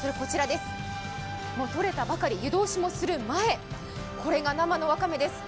とれたばかり、湯通しもする前、これが生のわかめです。